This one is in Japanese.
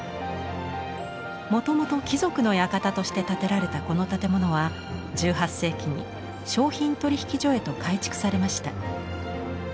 もともと貴族の館として建てられたこの建物は１８世紀に商品取引所へと改築されました。